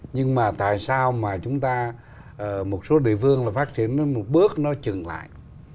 nhưng mà tại sao mà chúng ta một số địa phương là phát triển một bước nó chừng lại